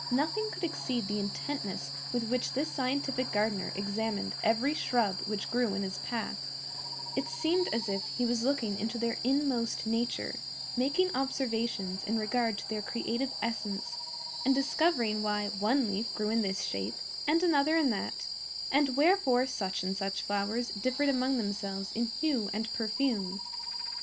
Nothing could exceed the intentness with which this scientific gardener examined every shrub which grew in his path: it seemed as if he was looking into their inmost nature, making observations in regard to their creative essence, and discovering why one leaf grew in this shape and another in that, and wherefore such and such flowers differed among themselves in hue and perfume.